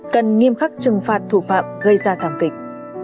cần nghiêm khắc trừng phạt thủ phạm gây ra thảm kịch